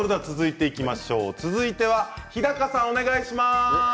続いて日高さんお願いします。